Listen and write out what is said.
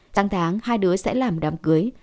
tăng tháng hai đứa sẽ làm đám cưới